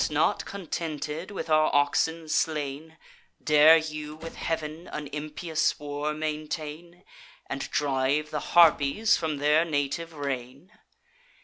not contented with our oxen slain, Dare you with Heav'n an impious war maintain, And drive the Harpies from their native reign?